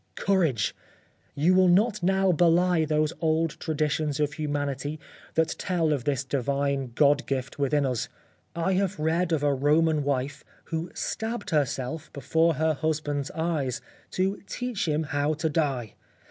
Courage ! You will not now belie those old traditions of humanity that tell of this divine God gift with in us. I have read of a Roman wife who stabbed herself before her husband's eyes to teach him how to die.